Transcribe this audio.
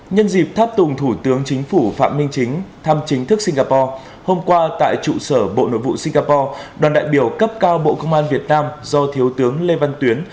nhân dịp tháp tùng thủ tướng chính phủ phạm minh chính thăm chính thức singapore hôm qua tại trụ sở bộ nội vụ singapore đoàn đại biểu cấp cao bộ công an việt nam do thiếu tướng lê văn tuyến